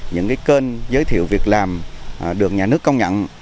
những kênh giới thiệu việc làm được nhà nước công nhận